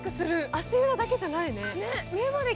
足裏だけじゃないね。